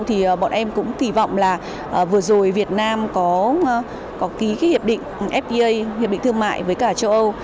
thì bọn em cũng kỳ vọng là vừa rồi việt nam có ký cái hiệp định fpa hiệp định thương mại với cả châu âu